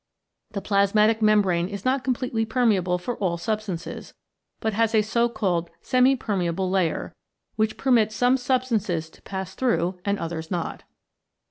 The plasmatic membrane is not completely permeable for all substances, but has a so called semi permeable layer, which permits some substances to pass through and others not.